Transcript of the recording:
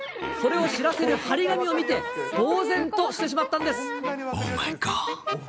それを知らせる貼り紙を見て、ぼう然としてしまったんです。